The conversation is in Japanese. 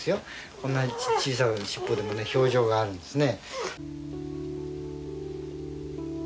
こんなに小さなしっぽでも表情があるんですよ。